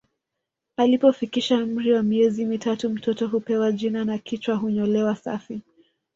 Anapofikisha umri wa miezi mitatu mtoto hupewa jina na kichwa hunyolewa safi